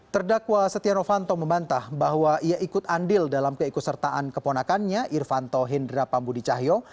terdakwa setia novanto membantah bahwa ia ikut andil dalam keikutsertaan keponakannya irvanto hindra pambudicahyo